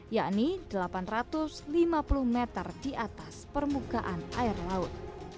yakni delapan ratus lima puluh meter di atas permukaan air laut